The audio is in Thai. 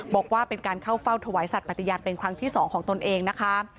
บอกว่าเป็นการเข้าเฝ้าถวายสัตว์ปฏิญาณเป็นครั้งที่๒ของตนเองนะคะ